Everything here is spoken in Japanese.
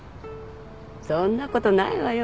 そんなことないわよ。